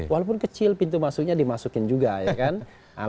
walaupun kecil pintu masuknya dimasukin juga ya kan